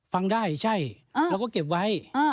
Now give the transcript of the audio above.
ฟังได้ใช่เราก็เก็บไว้